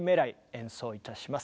演奏いたします。